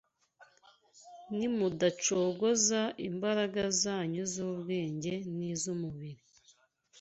Nimudacogoza imbaraga zanyu z’ubwenge n’iz’umubiri